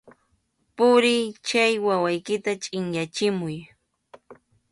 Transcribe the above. ¡Puriy, chay wawaykita chʼinyachimuy!